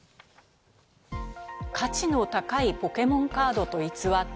価値の高いポケモンカードと偽って